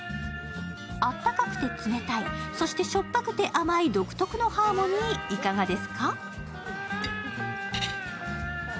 あったくて冷たい、そしてしょっぱくて甘い独特のハーモニー、いかがですか？